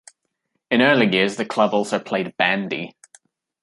In early years, the club also played bandy.